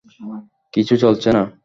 কিছু চলছে না।